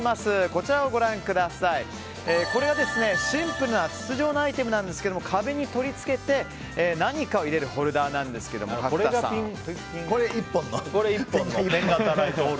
こちらはシンプルな筒状のアイテムなんですが壁に取り付けて何かを入れるホルダーなんですがこれは１本のペン型ライト。